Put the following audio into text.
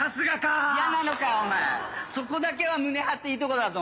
そこだけは胸張っていいとこだぞ。